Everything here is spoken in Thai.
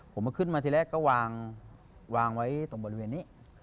มาขึ้นมาทีแรกก็วางไว้ตรงบริเวณนี้